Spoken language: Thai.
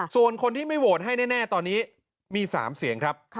ส่วนคนที่ไม่โหวตให้แน่ตอนนี้มี๓เสียงครับ